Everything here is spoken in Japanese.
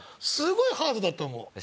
すごいハードだと思う。